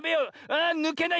あぬけない。